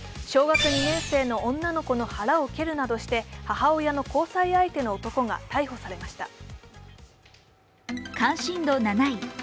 小学２年生の女の子の腹を蹴るなどして母親の交際相手の男が逮捕されました。